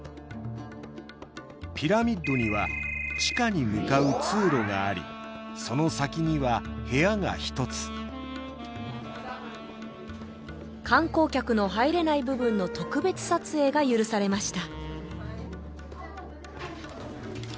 ピラミッドには地下に向かう通路がありその先には部屋が一つ観光客の入れない部分の特別撮影が許されました